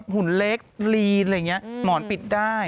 หุ่นเล็กหลีนหมอนปิดได้